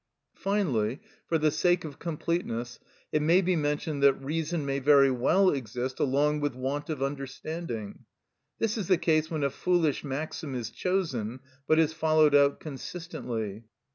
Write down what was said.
Finally, for the sake of completeness, it may be mentioned that reason may very well exist along with want of understanding. This is the case when a foolish maxim is chosen, but is followed out consistently.